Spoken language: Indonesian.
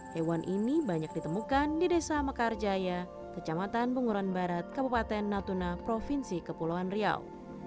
hewan ini banyak ditemukan di desa mekarjaya kecamatan bunguran barat kabupaten natuna provinsi kepulauan riau